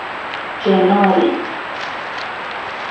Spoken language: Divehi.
ޖެނުއަރީ